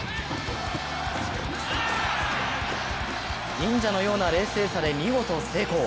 忍者のような冷静さで見事成功。